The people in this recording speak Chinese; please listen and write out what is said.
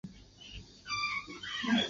我们商量了一下最后就换成了韩青。